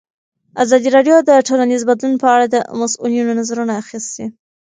ازادي راډیو د ټولنیز بدلون په اړه د مسؤلینو نظرونه اخیستي.